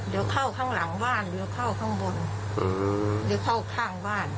เดี๋ยวเข้าข้างหลังบ้านเดี๋ยวเข้าข้างบนเดี๋ยวเข้าข้างบ้าน